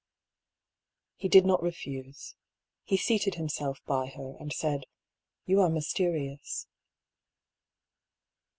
He did not refuse. He seated himself by her, and said: " You are mysterious."